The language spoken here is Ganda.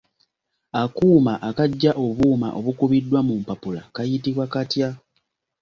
Akuuma akaggya obuuma obukubiddwa mu mpapula kayitibwa katya?